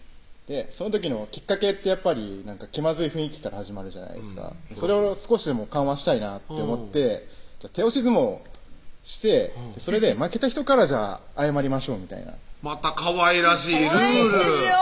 その時のきっかけってやっぱり気まずい雰囲気から始まるじゃないですかそれを少しでも緩和したいなって思って手押し相撲してそれで負けた人から謝りましょうみたいなまたかわいらしいルールかわいいんですよ